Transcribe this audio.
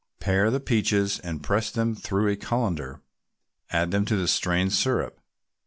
Pare the peaches and press them through a colander, add to them the strained syrup.